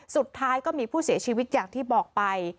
สุดท้ายก็มีผู้เสียชีวิตอย่างที่บอกไป